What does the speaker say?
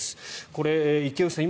これ、池内さん